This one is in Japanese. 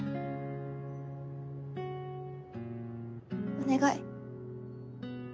お願い。